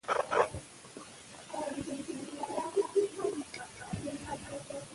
د اقتصاد د پرمختګ لپاره ځوانان تلپاتي رول لري.